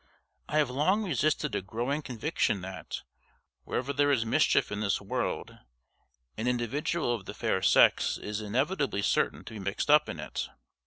I have long resisted a growing conviction that, wherever there is mischief in this world, an individual of the fair sex is inevitably certain to be mixed up in it.